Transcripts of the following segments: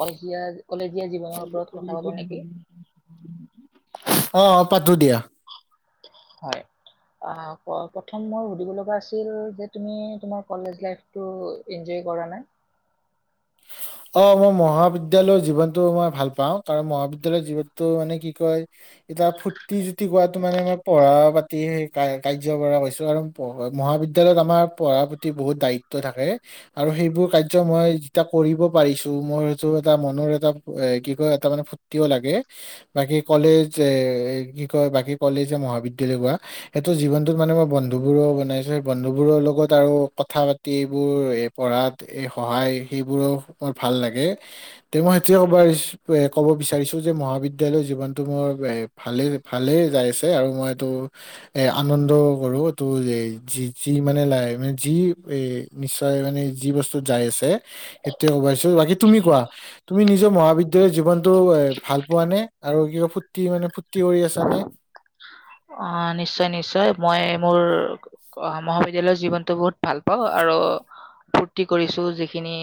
কলেজীয়া কলেজীয়া জীৱনৰ ওপৰত কথা পাতো নেকি অ পাতো দিয়া স অ মই মহাবিদ্যালয়ৰ জীৱনটো মই ভাল পাওঁ কাৰণ মহাবিদ্যালয়ৰ জীৱনতটো মানে কি কয় এতিয়া ফু জুতি গোৱাটো মানে ম পঢ়া কাৰ্য কৰা হৈছো আৰু মহাবিদ্যালয়ত আমাৰ পঢ়াৰ প্ৰতি বহুত দায়িত্ব থাকে আৰু সেইবোৰ কাৰ্য মই যেতিয়া কৰিব পাইছো মোৰ সেইটো এটা মনৰ এটা কি কয় এটা মানে ফুৰ্তিও লাগে বাকী কলেজ এ কি কয় বাকী কলেজ মহাবিদ্যালয় কোৱা সেইটো জীৱনতত মানে মই বন্ধু বোৰ বনাইছো সেই বন্ধু বোৰৰ লগত আৰু কথা পাতি এইবোৰ পঢ়াত এই সহায় সেইবোৰ মোৰ ভাল লাগে তে মই সেইটোৱে কব এ ক'ব বিচাৰিছো যে মহাবিদ্যালয় জীৱনতটো মোৰ এ ভালে ভালে যাই আছে আৰু মই এইটো এ আনন্দ কৰো এইটো যি যি মানে ল মানে যি এ নিশ্চয় মানে যি বস্তুত যাই আছে ক'বিছো বাকী তুমি কোৱা তুমি নিজৰ মহাবিদ্যালয়ৰ জীৱনতটো এ ভাল পোৱা নে আৰু কি কয় ফুৰ্তি মানে ফুৰ্তি কৰি আছানে অ নিশ্চয় নিশ্চয় মই মোৰ মহাবিদ্যালয়ৰ জীৱনটো বহুত ভাল পাওঁ আৰু ফূুৰ্তি কৰিছোঁ যিখিনি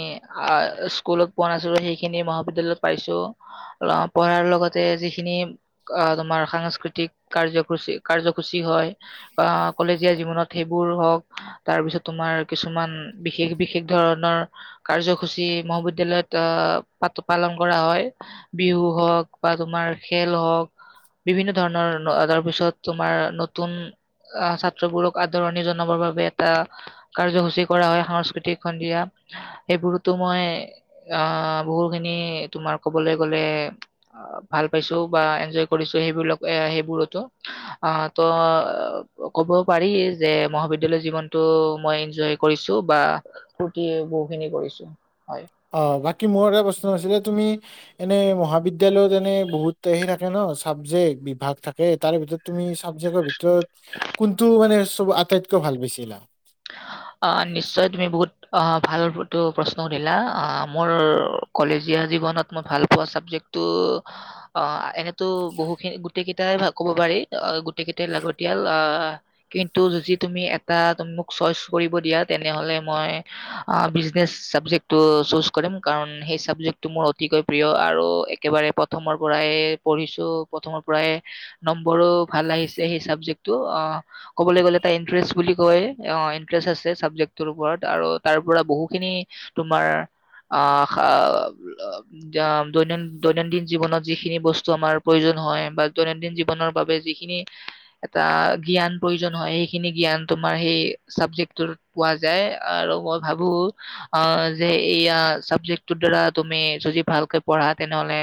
স্কুলত পোৱা নাছিলোঁ সেইখিনি মহাবিদ্যালয়ত পাইছোঁ পঢ়াৰ লগতে যিখিনি তোমাৰ সাংস্কৃতিক কাৰ্য কাৰ্যসূচী হয় বা কলেজীয়া জীৱনত সেইবোৰ হওক তাৰপিছত তোমাৰ কিছুমান বিশেষ বিশেষ ধৰণৰ কাৰ্যসূচী মহাবিদ্যালয়ত আহ প পালন কৰা হয় বিহু হওক বা তোমাৰ খেল হওক বিভিন্ন ধৰণৰ ত তাৰপিছত তোমাৰ নতুন আহ ছাত্ৰবোৰক আদৰণি জনাবৰ বাবে এটা কাৰ্যসূচী কৰা হয় সাংস্কৃতিক সন্ধিয়া সেইবোৰতো মই আহ বহুখিনি তোমাৰ কবলৈ গলে ভাল পাইছো বা এনজয় কৰিছো সেইবোৰ এ সেইবোৰতো আহ ত ক'ব পাৰি যে মহাবিদ্যালয় জীৱনতটো মই এনজয় কৰিছো বা ফূুৰ্তি বহুখিনি কৰিছো হয়। অ বাকী মোৰ এটা প্ৰশ্ন আছিলে তুমি এনে মহাবিদ্যালয়ত এনে বহুত সেই থাকে ন চাবজেক্ট বিভাগ থাকে তাৰ ভিতৰত তুমি। ত কোনটো মানে। ব আটাইতকৈ ভাল পাইছিলা। অ ভাল তটো প্ৰশ্ন সুধিলা অ মোৰ কলেজীয়া জীৱনত মই ভাল পোৱা চাবজেক্টটো অ এনেতো বহুখিনি গোটেই কেইটাই ক'ব পাৰি। গকেইট লাগতিয়াল অ কিন্তু যদি তুমি এটা তুমি মোক। চইচ কৰিব দিয়া তেনেহ'লে মই বিজনেচ চাবজেক্টটো চুজ কৰিম কাৰণ সেই চাবজেক্টটো মোৰ অতিকৈ প্ৰিয় আৰু একেবাৰে প্ৰথমৰ পৰাই পঢ়িছো প্ৰথমৰ পৰাই নম্বৰো ভাল আহিছে সেই চাবজেক্টটো ক'বলৈ গ'লে এ তটা ইণ্টাৰেষ্ট বুলি কয়। অ ইণ্টাৰেষ্ট আছে চাবজেক্টৰ ওপৰত আৰু তাৰ পৰা বহুখিনি তোমাৰ আহ দৈন দৈনন্দিন জীৱনত যিখিনি বস্তু আমাৰ প্ৰয়োজন হয় বা দৈনন্দিন জীৱনৰ বাবে যিখিনি এটা জ্ঞান প্ৰয়োজন হয় সেইখিনি জ্ঞান তোমাৰ সেই চাবজেক্ট পোৱা যায় আৰু মই ভাবো আহ যে এইয়া চাবজেক্টটোৰ দ্বাৰা তুমি যদি ভালকৈ পঢ়া তেনেহলে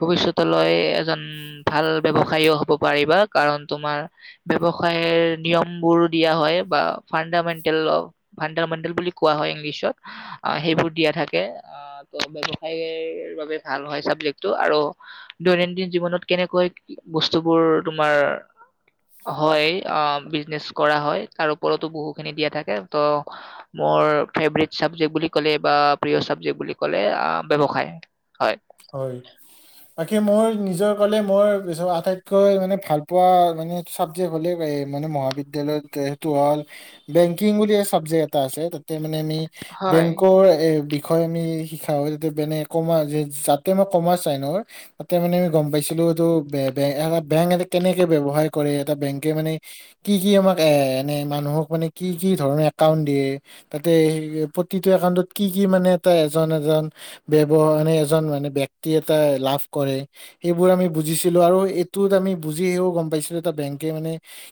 ভৱিষ্যতলৈ এজন ভাল ব্যৱসায়ো হব পাৰিবা কাৰণ তোমাৰ ব্যৱসায়ৰ নিয়ম বোৰো দিয়া হয় বা। ফাণ্ডামেণ্টেল অ ফাণ্ডামেণ্টেল বুলি কোৱা হয় ইংলিছত সেইবোৰ দিয়া থাকে ত ব্যৱসায়ৰ বাবে ভাল হয় চাবজেক্টটো আৰু দৈনন্দিন জীৱনত কেনেকৈ বস্তুবোৰ তোমাৰ হয় বিজনেছ কৰা হয় তিৰ। ওপৰতো বহুখিনি দিয়া থাকে ত' মোৰ ফেভৰেট চাবজেক্ট বুলি ক'লে বা প্ৰিয় চাবজেক্ট বুলি ক'লে ব্যৱসায়ৰ হয়। হয় বাকী মোৰ নিজৰ কলে মোৰ আটাইতকৈ মানে ভাল পোৱা মানে চাবজেক্ হলে মানে মহাবিদ্যালয়ত সেইটো হল বেংকিং বুলি চাবজেক্ এটা আছে তাতে। মানে এনেই আমি হয়। বেংকৰ বিশেষ। শয়নি হিখাৰেল দি বনাই আজি যায়। ম কৰ্মচ তাতে মানে আমি গম পাইছিলো এইটো এটা বেংক এটা কেনেকে ব্ৱসায় কৰে এটা বেংকে মানে কি কি আমাক এ এ মানুহক মানে কি কি ধৰণৰ একাউন্ট দিয়ে তাতে প্ৰতিটো একাউটত কি কি মানে এটা এজন এজন বৱ মানে এজন মানে বক্তি এটা লাভ কৰে সেইবোৰ আমি বুজিছিলো আৰু এইটোত আমি বুজিহেও গম পাইছিলো এটা বেংকে মানে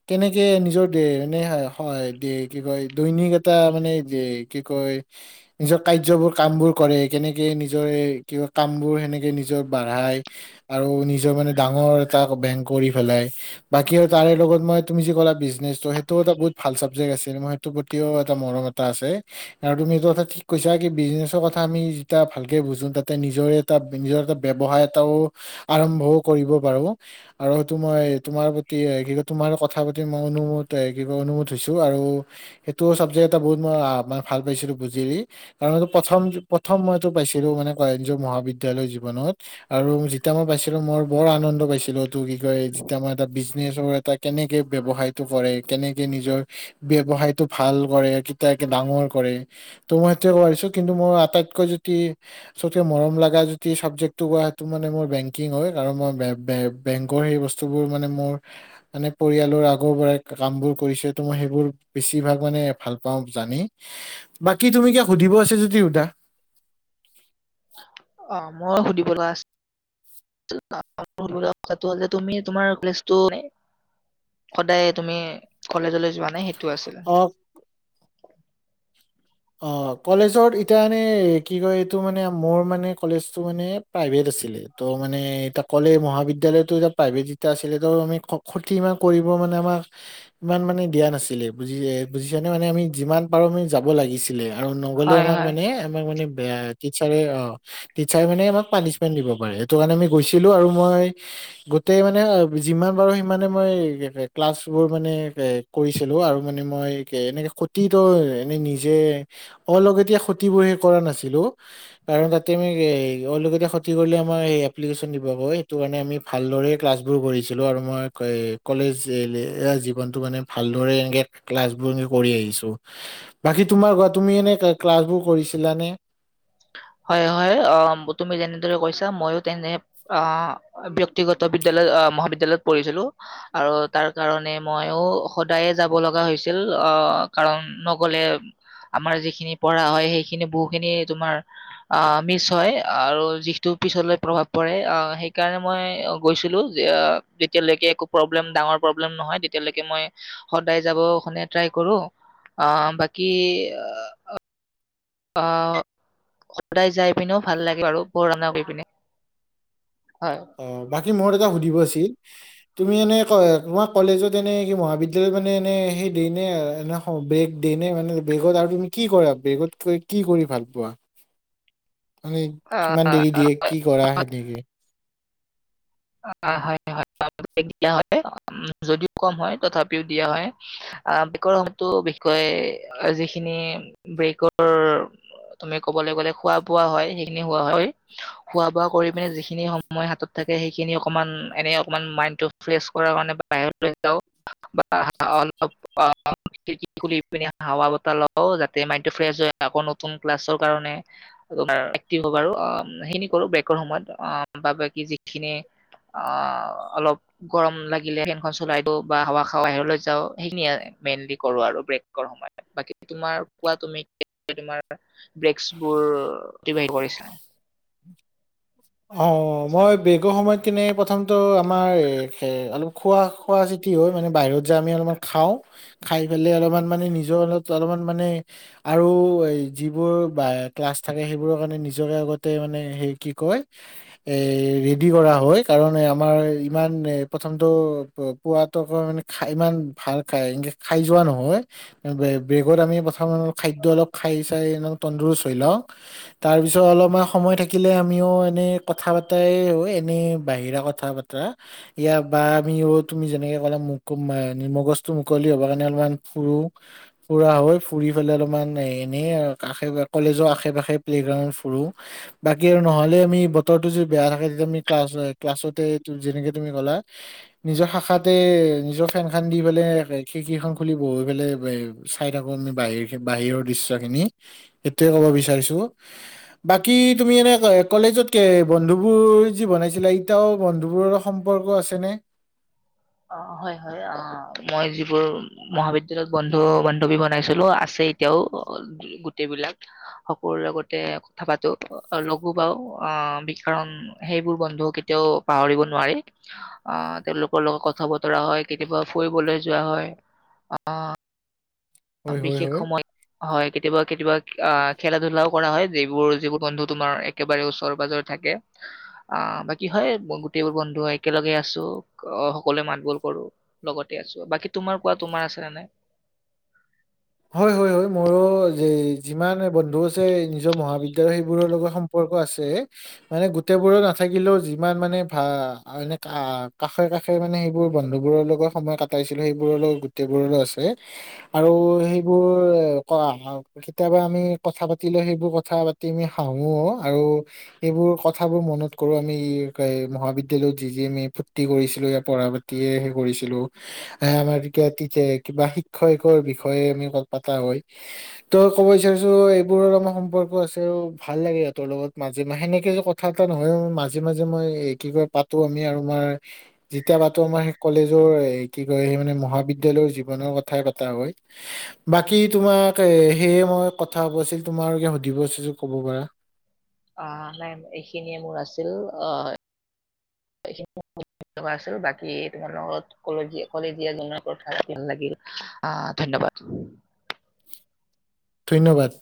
কেনেকে নিজৰ এনে হয় কি কয় দৈনিক এটা মানে কি কয় নিজৰ কাৰ্যবোৰ কাম বোৰ কৰে কেনেকে নিজৰে কি। কাম বোৰ সেনেকে নিজৰ বঢ়াই আৰু নিজৰ মানে ডাঙৰ এটা বেংক কৰি পেলাই বাকী আৰু তাৰে লগত মই তুমি যি ক'লা বিজনেচটো সেইটোও এটা বহুত ভাল চাবজেক্ট আছে ম সেইটোৰ প্ৰতিও এটা মৰম এটা আছে আৰু তুমি এইটো কথা ঠিক কৈছা কি বিজনেছৰ কথা আমি যেতিয়া ভালকে বুজো তাতে। নিজ এটা নিজৰ এটা ব্যৱসায় এটাও আৰম্ভও কৰিব পাৰো আৰু সেইটো মই তোমাৰ প্ৰতি কি ক তোমাৰ কথা প্ৰতি মইমোদ ক অনুমোত হৈছো আৰু সেইটো চাবজেক্ট এটা বহুত মই ভাল পাইছিলো বুজি কাৰটো প্ৰথম প্ৰথম মইটো পাইছিলো মানে। নিজৰ মহাবিদ্যালয়ৰ জীৱনত আৰু যেতিয়া মই পাইছিলো মই বৰ আনন্দ পাইছিলো তটো কি কয় যেতিয়া মই এটা বিজনেচৰ এটা কেনেকে‌ ব্যৱসায়টো কৰে কেনেকে নিজৰ ব্যৱসায়টো ভাল কৰে কেে ডাঙৰ কৰে ত মই সেইটোয়ে কছো কিন্তু মোৰ আটাইতকৈ যদি। চচৌ মৰম লগা যদি চাবজেক্ট বা তুমালোকৰ হাৰি হয় মোৰ মানে বেংকিং হয় কাৰণ মই বেংকৰ বেংকৰ সেই বস্তুৰ বোৰ পৰিয়ালৰ আকৌ লৰাই কামটো বেছিভাগ বাকী তুমি সোধিব আছে যদি শোধা। অ মই সুধিব। লগু ক হল যে তুমি তোমাৰ কলেজ সদায় তুমি কলেজলৈ। যোৱা নাই সেইটো আছিলে। অ অ কলেজত এতিয়া এনে কি কয় এইটো মানে মোৰ মানে কলেজটো মানে প্ৰাইভেট আছিলে ত' মানে এ কলে মহাবিদ্য়ালয়তটো এ প্ৰাইভেট যেয়া আছিলে ত আমি ক্ষতি ইমান কৰিব মানে আমাক ইমান মানে দিয়া নাছিলে বুজ বুজিছানে মানে আমি যিমান পাৰো আমি যাব লাগিছিল। ছিলে। আৰু নগলে হয়, আমাক হয়। মানে আমাক মানে। বেয়া টিচাৰে অ টিচাৰ মানে আমাক পানিচমেন্ট দিব পাৰে সেইটো কাৰণে আমি গৈছিলো আৰু মই গোটেই মানে যিমান পাৰো সিমানে মই ক্লাছ বোৰ মানে এ কৰিছিলো আৰু মানে মই এনেকে খতিটো এনে নিজে। অলাগতিয়াল খুটি বোৰহে কৰা নাছিলোঁ আৰু লগতে তুমি খটি কৰিলে এপ্লিকেচন কৰি ভালদৰে ক্লাছ বোৰ কৰিছিলোঁ কলেজ এৰিলে এইয়া ভালদৰেই ক্লাছ বোৰ কৰি আহিছোঁ বাকী তুমাৰ। তুমি এনে ক্লাছবোৰ কৰিছিলানে? হয় হয় আহ তুমি যেনেদৰে কৈছা মইো তেনে আহ ব্যক্তিগত বিদ্য়ালয় আহ মহাবিদ্য়ালয়ত পঢ়িছিলো আৰু তাৰ কাৰণে মইও সদায়ে যাব লগা হৈছিল আহ কাৰণ নগলে আমাৰ যিখিনি পঢ়া হয় সেইখিনি বহুখিনি। তোমাৰ আহ মিচ হয় আৰু যিটো পিছলৈ প্ৰভাৱ পৰে সেইকাৰণে মই গৈছিলো যেতিয়ালৈকে একো প্ৰব্লেম ডাঙৰ প্ৰব্লেম নহয় তেতিয়ালৈকে মই সদায় যাব খনে ট্ৰাই কৰো আহ বাকী। অ সদায় যাই পিনেও ভাল লাগে আৰু বহু ৰান্না কৰি পিনে হয় অ বাকী মত এটা সুধিবছিল। তুমি এনে তোমাৰ কলেজত এনে কি মহাবিদ্যালয় মানে এনে সেই দ ন এনে বেগ দ ন মানে বেগত আৰু তুমি কি কৰা বেগত কি কৰি ভাল পোৱা। মানে আহ কিমান দেৰি দিয়ে কি কৰা সেনেকে। অহ হয়ে দিয়া হয় যদিও কম হয় তথাপিও দিয়া হয় আহ ব্ৰে সময়ো বিশেষকৈ যিখিনি ব্ৰেকৰ তুমি কবলৈ গলে খোৱা বোৱা হয় সেইখিনি খোৱা হয় খোৱা বোৱা কৰি পিনে যিখিনি সময় হাতত থাকে। সেইখিনি অকণমান এনে অকমান মাইণ্ডটো ফ্ৰেছ কৰ কাৰণে বা বাহিৰ যাওঁ বা অলপ খ প হাৱা বতাহ লওঁ যাতে মাইডটো ফ্ৰেছ হয় আকৌ নতুন ক্লাছৰ কাৰণে্টিভ হ'বাৰ সেইিনি কৰো ব্ৰেকৰ সময়ত ব বাকী যিখিনি। আহ অলপ গৰম লাগিলে ফেনখন চলাই দিওঁ বা হাৱা খাৱা বাহিৰলৈ যাওঁ সেইখিনিয়ে মেইনলি কৰো আৰু ব্ৰেকৰ সময়ত বাকমাৰুমমাৰ বেক অতিবাহ কৰিছা। হয় আহ মই বেগৰ সময়ত। কেনে প্ৰথমটো আমাৰ অলপ খোৱা খোৱা চিতি হয়। মানে বাহিৰত যা আমি অলপমান খাওঁ খাই তুমি প্ৰথম টো আমাৰ সে অলপ খোৱা খোৱা ছুটি হৈ মানে বাহিৰত যায় আমি অলপমান খাওঁ। খাই ফেলেই অলপ মান মানে নিজেও অলপ মান মানে আৰু এই যিবোৰ বা ক্লাছ থাকে সেইবোৰৰ কাৰণে নিজকে আগতে মানে সেই কি কয় এ ৰেডি কৰা হয় কাৰণ আমাৰ ইমান এ প্ৰথমটো পোৱাতক মানে ইমান ভাল খাই একে খাই যোৱা এই ৰেডি কৰা হয় কাৰণে আমাৰ ইমান প্ৰথমটো পুৱাটো কাৰণে খাই ইমান ভাল খাই যোৱা নহয়। ব্ৰেকত আমি প্ৰথম খাদ্য অলপ খাই চাই এনে থাকিলে তন্দুৰস্ত হৈ লওঁ তাৰ পিছত অলপমান সময় থাকিলে আমিও। এনে বাহিৰা কথা পা ইয়াৰ বা আমিও তুমি এনে কথা পাতা হয় এনে বাহিৰা কথা বতৰা ইয়া বা আমিও তুমি যেনেকে ক'লা মগজটো মুকলি হব কাৰণে অলপমান ফুৰো ফুৰা হয়। ফুৰি ফেলাই অলপমান এনে কলেজৰ আশে পাশে প্লেগ্ৰেন্দত ফুৰো বাকি আৰু নহলে আমি।। ্া ক্লাছতে যেনেকে তুমি ক'লা নিজৰ শাখাতে বতৰ টো যদি বেয়া হয় তেতিয়া আমি ক্লা ক্লাচতে যেনেকে তুমি ক'লা নিজৰ খাখাতে নিজৰ ফেন খান দি ফেলেই খিৰকি খন খুলি বহি ফেলাই চাই থাকো আমি ব বাহিৰৰ দৃশ্য খিনি সেইটো য়ে ক'ব বিচাৰিছো বাকি তুমি এনে কলেজত।। তাকে বন্ধুবোৰ যি বনাইছিলে ইতাও বন্ধুবোৰৰ লগত সম্পৰ্ক আছেনে? অ হয় হয় অ মই যিবোৰ মহাবিদ্য়ালয়ত বন্ধু বান্ধৱী বনাইছিলো আছে এতিয়াও গোটেইবিলাক অ অ হয় হয় অ মই যিবোৰ মহাবিদ্যালয়ত বন্ধু বান্ধবী বনাইছিলো আছে এতিয়াও গোটেই বিলাক সকলোৰে লগতে কথা পাতো আৰু লগো পাওঁ। আহ কাৰণ সেইবোৰ বন্ধু কেতিয়াও পাহৰিব নোৱাৰি। আহ তেওঁলোকৰ লগত ক।। থা বতৰা হয় কেতিয়াবা ফুৰিবলৈ যোৱা হয়। আহ হয় হয় বিশেষ হয় সময় হয়। কেতিয়াবা কেতিয়াবা আহ খেলা ধলাও কৰা হয় যিবোৰ যিবোৰ বন্ধু তোমাৰ একেবাৰে ওচৰে পাজৰে থাকে আহ বাকী আ খেলা ধুলাও কৰা হয়। অ যি বোৰ বন্ধু তোমাৰ একেবাৰে ওচৰ পাজৰে থাকে। অ বাকী হয়। গোটেইবোৰ বন্ধু একেলগে আছো সকলোৱে মাত বোল কৰো। লগতে আছো বাকী তোমাৰ কোৱা তোমাৰ আছে নে নাই? হয় হয় হয় মোৰো যে যিমান বন্ধু আছে নিজৰ মহাবিদ্য়ালয় সেইবোৰৰ লগত সম্পৰ্ক আছে মানে গোটেইবোৰত নাথাকিলেও যিমান মানে ভ এ হয় হয় হয় মোৰো যি মান বন্ধু আছে নিজৰ মহাবিদ্যালয় সেই বোৰৰ লগত সম্পৰ্ক আছেয়। মানে গোটেই বোৰৰ নাথাকিলেও যি মান মানে ভা আৰু এনে কাষে কাষে মানে সেইবোৰ বন্ধু বোওৰৰ লগত সময় কটাইছিলো সেইবোৰৰ লগত গোটেইবোৰ লগত আছে আৰু স।। সেই বোৰ কাৰণ কেতিয়াবা আমি কথা পাতিলে, সেইবোৰ কথা পাতি আমি হাহোওঁ আৰু সেইবোৰ কথাবোৰ মনত সেই বোৰ কাৰণ হক কেতিয়াবা আমি কথা পাতিলে সেই বোৰ কথা পাতি আমি হাহোঁও আৰু সেই বোৰ কথা বোৰ মনত কৰি আমি মহাবিদ্য়ালয়ত যি যি আমি ফূুৰ্তি কৰিছিলো পঢ়া পাতিয়ে সেই কৰিছিলো আমাৰ ভিতৰত কিবা শিক্ষয়কৰ বিষয়ে আমি।। হয় তই কব বিচাৰিছো এইবোৰৰ আমাৰ সম্পৰ্ক আছে আৰু ভাল লাগে ইহঁতৰ লগত মাজে মাজে সেনেকে কথা এটা নহয় মাজে মাজে মই কি কয় পাতা হয় তোমাক ক'ব বিচাৰিছোঁ এই বোৰ আমাৰ সম্পৰ্ক আছে আৰু ভাল লাগে। সিহঁতৰ লগত মাজে মাজ সেনেকে যে কথা পাতা নহয় ও মাজে মাজে মই এই কি বা পাতো আমি আৰু মই যেতিয়া পাতো সেই কলেজৰ কি কয় সেই মানে মহাবিদ্য়ালয়ৰ জীৱনৰ কথাই পতা হয়। বাকী তোমাক এ সেয়ে মই কথা হ'ব আছিল তোমাৰ কিবা সুধিব আছিল যদি ক'ব পাৰা? আহ নাই এইখিনিয়ে মোৰ আছিল আহ আ বাকী তোমাৰ লগত কলেজীয়া কলেজীয়া জননৰ কথা ভাল লাগিল আহ ধন্যবাদ। ধন্যবাদ।